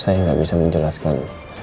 saya gak bisa menjelaskan